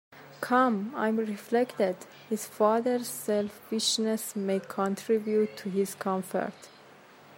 Come, I reflected, his father’s selfishness may contribute to his comfort.